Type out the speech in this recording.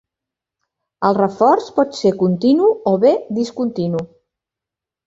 El reforç pot ser continu o bé discontinu.